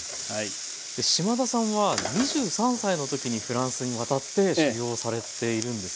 島田さんは２３歳の時にフランスに渡って修業をされているんですよね？